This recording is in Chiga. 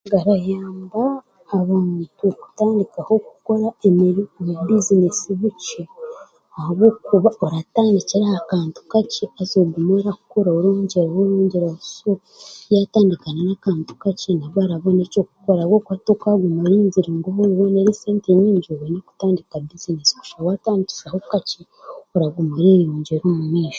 Garayamba abantu kutandikaho kukora obu bizinesi bukye ahabw'okuba oratandikira aha kantu kakye haza ogume orakora orongyeraho orongyeraho so yatandika n'akantu kakye nabwe arabona eky'okukora ahabw'okuba tokaguma orinzire ngu obone esente nyingi obone kutandika bizinesi kusha watandisyaho kakye oraguma oreyongyera omu maisho